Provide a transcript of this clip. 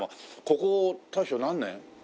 ここ大将何年？